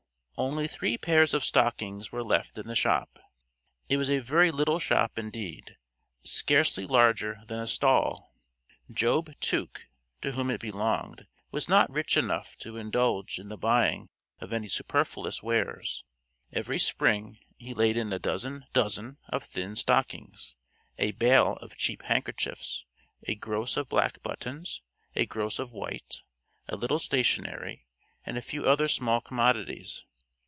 Only three pairs of stockings were left in the shop. It was a very little shop indeed, scarcely larger than a stall. Job Tuke, to whom it belonged, was not rich enough to indulge in the buying of any superfluous wares. Every spring he laid in a dozen dozen of thin stockings, a bale of cheap handkerchiefs, a gross of black buttons, a gross of white, a little stationery, and a few other small commodities.